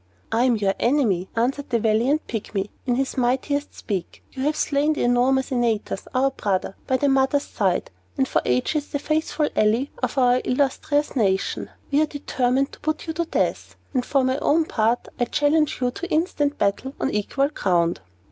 "I am your enemy," answered the valiant Pygmy, in his mightiest squeak. "You have slain the enormous Antaeus, our brother by the mother's side, and for ages the faithful ally of our illustrious nation. We are determined to put you to death; and for my own part, I challenge you to instant battle, on equal ground."